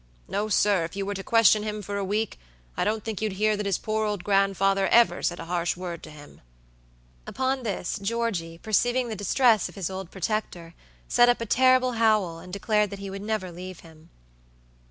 No, sir; if you were to question him for a week, I don't think you'd hear that his poor old grandfather ever said a harsh word to him." Upon this, Georgie, perceiving the distress of his old protector, set up a terrible howl, and declared that he would never leave him.